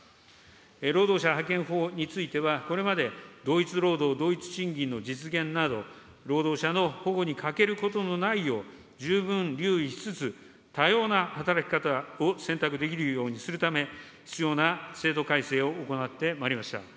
労働者派遣法については、これまで同一労働・同一賃金の実現など、労働者の保護に欠けることのないよう、十分留意しつつ、多様な働き方を選択できるようにするため、必要な制度改正を行ってまいりました。